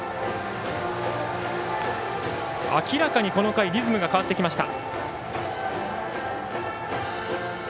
明らかに、この回リズムが変わってきました。